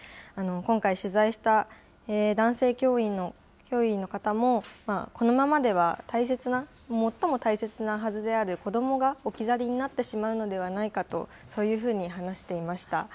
今回、取材した男性教員の方も、このままでは大切な、最も大切なはずである子どもが置き去りになってしまうのではないかと、そういうふうに話していました。